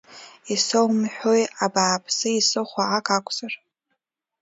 Исоумҳәои, абааԥсы, исыхәо ак акәзар!